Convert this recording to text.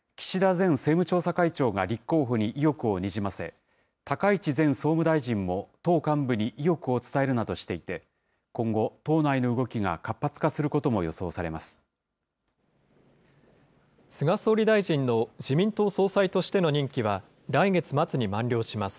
前政務調査会長が立候補に意欲をにじませ、高市前総務大臣も党幹部に意欲を伝えるなどしていて、今後、党内の動きが活発化することも予想されます。